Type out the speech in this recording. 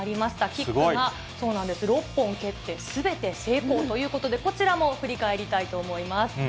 キックが、６本蹴って、すべて成功ということで、こちらも振り返りたいと思います。